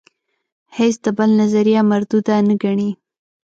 هیڅ د بل نظریه مرودوده نه ګڼي.